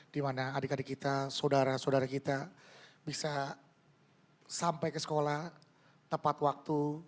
dimana adik adik kita saudara saudara kita bisa sampai ke sekolah tepat waktu